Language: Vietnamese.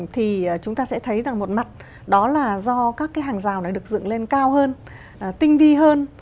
thì chúng ta sẽ thấy rằng một mặt đó là do các cái hàng rào này được dựng lên cao hơn tinh vi hơn